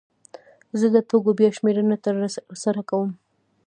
زه د توکو بیا شمېرنه ترسره کوم.